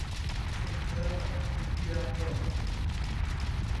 Santana de Pirapama